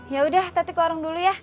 yaudah tetik warung dulu ya